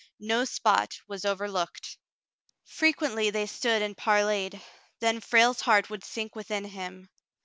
No spot was over looked. Frequently they stood and parleyed. Then Frale's heart would sink within him.